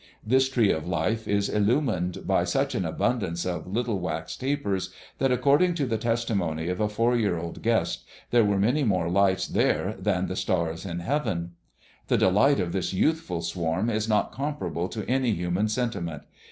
This tree of life is illumined by such an abundance of little wax tapers that according to the testimony of a four year old guest there were more lights there than the stars in heaven. The delight of this youthful swarm is not comparable to any human sentiment.